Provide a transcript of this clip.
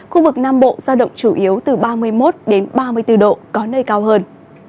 khu vực nam bộ giao động chủ yếu từ ba mươi một đến ba mươi bốn độ có nơi cao hơn